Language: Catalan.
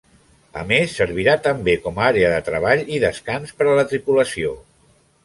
A més servirà també com a àrea de treball i descans per a la tripulació.